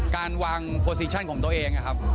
การวางโปรซีชั่นของตัวเองนะครับ